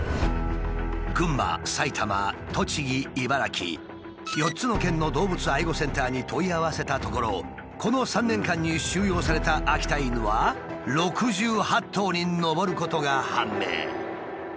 群馬埼玉栃木茨城４つの県の動物愛護センターに問い合わせたところこの３年間に収容された秋田犬は６８頭に上ることが判明。